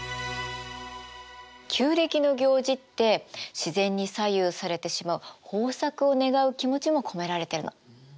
旧暦の行事って自然に左右されてしまう豊作を願う気持ちも込められてるの。